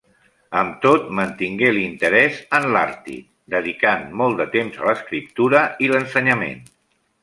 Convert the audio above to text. Amb tot, mantingué l'interès en l'Àrtic, dedicant molt de temps a l'escriptura i l'ensenyament.